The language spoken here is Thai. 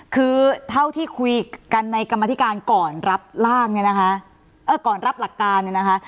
คือเท่าที่คุยกันในกรรมธิการก่อนรับหลักการเนี่ยนะคะ